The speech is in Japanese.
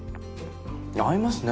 合いますね！